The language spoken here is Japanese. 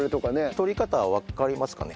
取り方わかりますかね？